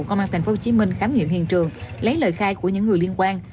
công an thành phố hồ chí minh khám nghiệm hiện trường lấy lời khai của những người liên quan